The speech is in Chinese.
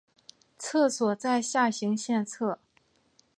厕所在下行线侧。